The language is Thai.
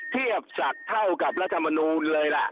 เทียบศักดิ์เท่ากับรัฐมนูลเลยล่ะ